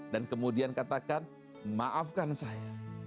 dan kemudian katakan maafkan saya